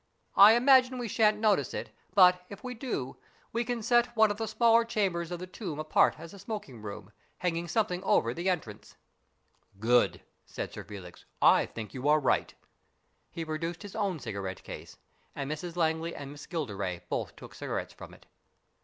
I imagine we shan't notice it, but, if we do, we can set one of the smaller chambers of the tomb apart as a smoking room, hanging something over the entrance." "Good!" said Sir Felix, "I think you are right." He produced his own cigarette case, and BURDON'S TOMB 83 Mrs Langley and Miss Gilderay both took cigar ettes from it.